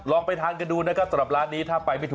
ข้างบัวแห่งสันยินดีต้อนรับทุกท่านนะครับ